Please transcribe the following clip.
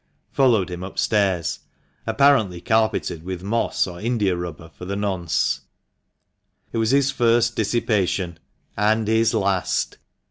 " followed him upstairs, apparently carpeted with moss or indiarubber for the nonce. It was his first dissipation, and his last.